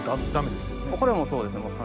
これはそうですね